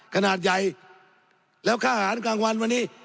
ขนาดใหญ่แล้วค่าอาหารกลางวันวันนี้